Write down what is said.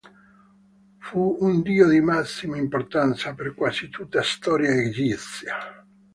Fu un dio di massima importanza per quasi tutta storia egizia.